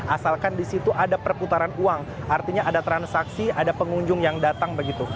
asalkan di situ ada perputaran uang artinya ada transaksi ada pengunjung yang datang begitu